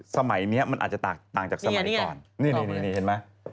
สมัยนี้อาจจะต่างจากสมัยก่อน